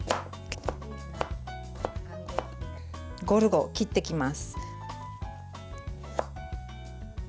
ゴルゴを切っていきます。